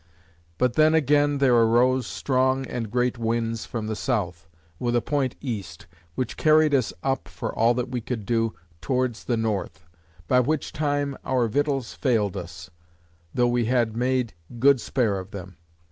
But then again there arose strong and great winds from the south, with a point east, which carried us up (for all that we could do) towards the north; by which time our victuals failed us, though we had made good spare of them.